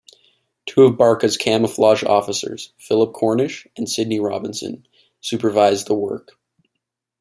Two of Barkas's camouflage officers, Phillip Cornish and Sidney Robinson, supervised the work.